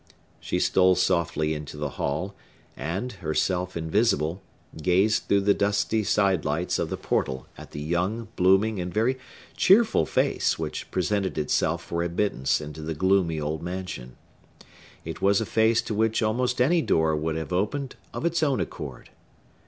She stole softly into the hall, and, herself invisible, gazed through the dusty side lights of the portal at the young, blooming, and very cheerful face which presented itself for admittance into the gloomy old mansion. It was a face to which almost any door would have opened of its own accord.